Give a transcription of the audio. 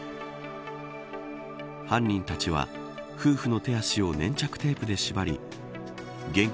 犯人たちは夫婦の手足を粘着テープで縛り現金